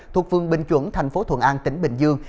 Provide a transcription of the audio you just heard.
thuộc vương bình chuẩn thành phố thuận an tỉnh bình dương